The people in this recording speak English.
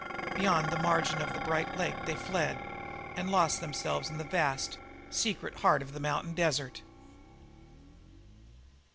Beyond the margin of the bright lake they fled and lost themselves in the vast, secret heart of the mountain desert.